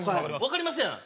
わかりますやん。